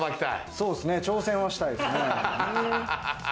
そうですね、挑戦はしたいですね。